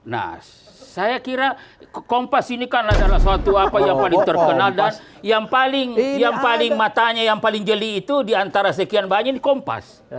nah saya kira kompas ini kan adalah suatu apa yang paling terkenal dan yang paling yang paling matanya yang paling jeli itu diantara sekian banyak di kompas